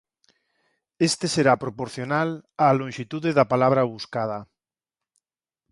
Este será proporcional á lonxitude da palabra buscada.